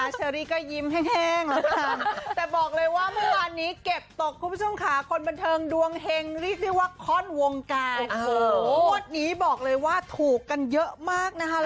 สี่วันวันเตี่ยวก็ยิ้มขนวงการบวกนี้บอกเลยว่าถูกกันเยอะมากนะคะ